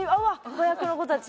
子役の子たち。